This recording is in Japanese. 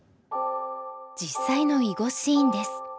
実際の囲碁シーンです。